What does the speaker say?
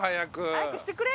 早くしてくれ。